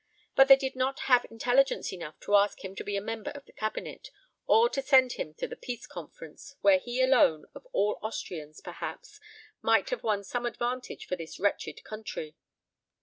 But they did not have intelligence enough to ask him to be a member of the Cabinet, or to send him to the Peace Conference, where he alone, of all Austrians, perhaps, might have won some advantage for this wretched country.